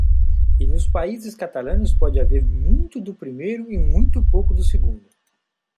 E nos países catalães pode haver muito do primeiro e muito pouco do segundo.